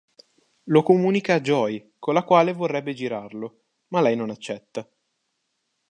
Lo comunica a Joey con la quale vorrebbe girarlo, ma lei non accetta.